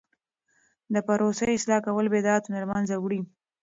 د پروسې اصلاح کول بد عادتونه له منځه وړي.